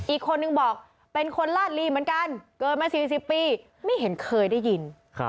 อีกคนนึงบอกเป็นคนลาดลีเหมือนกันเกิดมา๔๐ปีไม่เห็นเคยได้ยิน